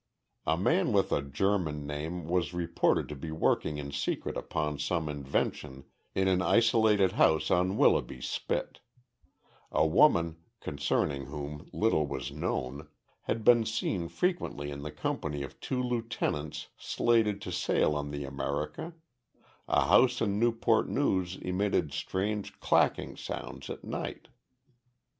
A man with a German name was reported to be working in secret upon some invention in an isolated house on Willoughby Spit; a woman, concerning whom little was known, had been seen frequently in the company of two lieutenants slated to sail on the America; a house in Newport News emitted strange "clacking" sounds at night.